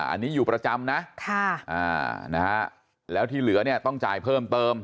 อันนี้อยู่ประจำนะแล้วที่เหลือเนี่ยต้องจ่ายเพิ่มเติม